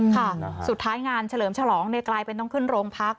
ค่ะสุดท้ายงานเฉลิมฉลองกลายเป็นต้องขึ้นโรงพัก